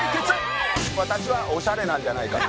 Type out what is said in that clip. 私はオシャレなんじゃないかって。